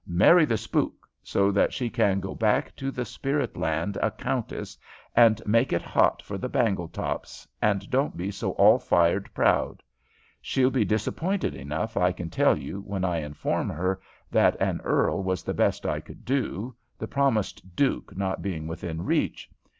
Marry the spook, so that she can go back to the spirit land a countess and make it hot for the Bangletops, and don't be so allfired proud. She'll be disappointed enough I can tell you, when I inform her that an earl was the best I could do, the promised duke not being within reach.